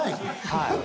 はい。